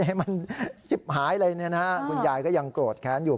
ให้มันหายเลยนะฮะคุณยายก็ยังโกรธแค้นอยู่